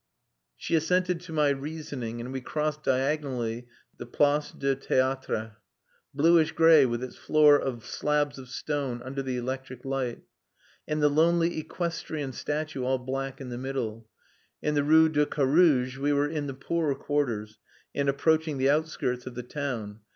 She assented to my reasoning, and we crossed diagonally the Place de Theatre, bluish grey with its floor of slabs of stone, under the electric light, and the lonely equestrian statue all black in the middle. In the Rue de Carouge we were in the poorer quarters and approaching the outskirts of the town.